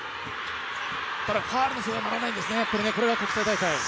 ただ、ファウルの笛が鳴らないんですよね、これが国際大会。